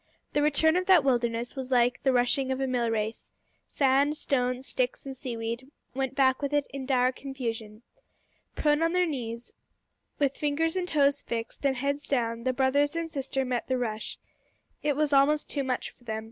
The return of that wilderness was like the rushing of a millrace. Sand, stones, sticks, and seaweed went back with it in dire confusion. Prone on their knees, with fingers and toes fixed, and heads down, the brothers and sister met the rush. It was almost too much for them.